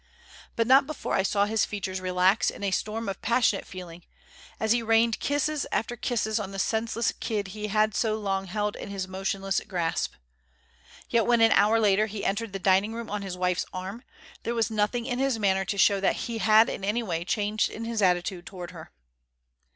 But not before I saw his features relax in a storm of passionate feeling, as he rained kisses after kisses on the senseless kid he had so long held in his motionless grasp. Yet when an hour later he entered the dining room on his wife's arm, there was nothing in his manner to show that he had in any way changed in his attitude towards her.